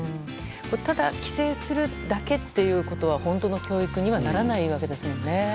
ただ規制するだけということは本当の教育にはならないわけですもんね。